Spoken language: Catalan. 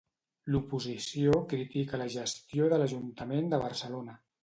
L'oposició critica la gestió de l'Ajuntament de Barcelona.